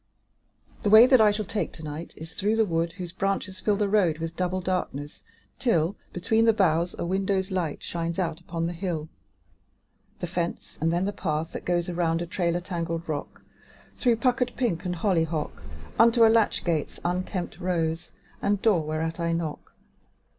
The way that I shall take to night Is through the wood whose branches fill The road with double darkness, till, Between the boughs, a window's light Shines out upon the hill. The fence; and then the path that goes Around a trailer tangled rock, Through puckered pink and hollyhock, Unto a latch gate's unkempt rose, And door whereat I knock.